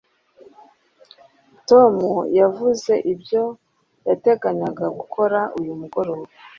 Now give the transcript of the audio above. tom yavuze ibyo yateganyaga gukora uyu mugoroba